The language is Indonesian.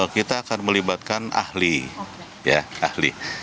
kita akan melibatkan ahli ahli